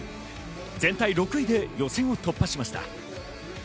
全体６位で予選を突破しました。